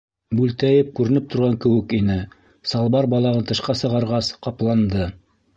Бүлтәйеп күренеп торған кеүек ине, салбар балағын тышҡа сығарғас, ҡапланды.